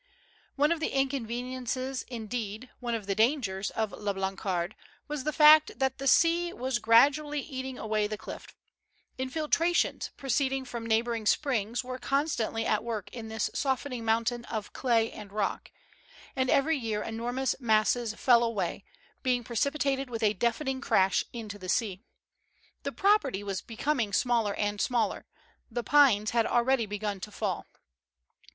One of the inconveniences, indeed, one of the dangers, of La Blancarde, was the fact tliat the sea was gradually eat FREDERIC AND NAIS. 119 ing away the cliff; infiltrations, proceeding from neigh boring springs, were constantly at work in this soften ing mountain of clay and rock ; and every year enor mous masses fell away, being precipitated with a deafen ing crash into the sea. The property was becoming smaller and smaller ; the pines had already begun to fall.